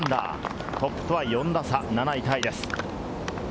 トップとは４打差、７位タイです。